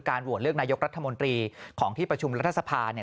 โหวตเลือกนายกรัฐมนตรีของที่ประชุมรัฐสภา